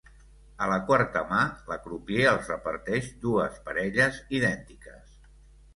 A la quarta mà la crupier els reparteix dues parelles idèntiques.